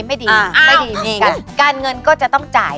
ไม่ดีไม่ดีการเงินก็จะต้องจ่าย